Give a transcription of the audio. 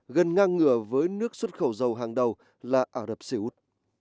gần ngang ngửa với nước xuất khẩu dầu hàng đầu là ả rập xê út